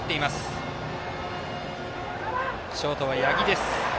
ショートは八木です。